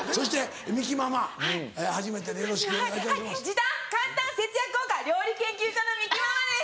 時短・簡単・節約・豪華料理研究家のみきママです！